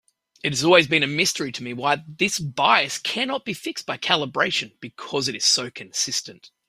It has always been a mystery to me why this bias cannot be fixed by calibration, because it is so consistent.